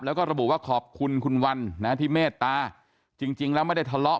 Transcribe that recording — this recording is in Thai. แล้วก็ระบุว่าขอบคุณคุณวันนะที่เมตตาจริงแล้วไม่ได้ทะเลาะ